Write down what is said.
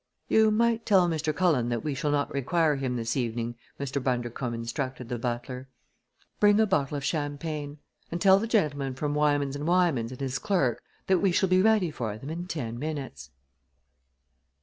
"You might tell Mr. Cullen that we shall not require him this evening," Mr. Bundercombe instructed the butler. "Bring a bottle of champagne, and tell the gentleman from Wymans & Wymans and his clerk that we shall be ready for them in ten minutes."